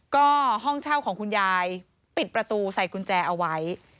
ก็ห้องเช่าของคุณยายปิดประตูใส่กุญแจเอาไว้